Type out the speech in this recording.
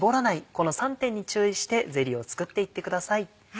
この３点に注意してゼリーを作っていってください。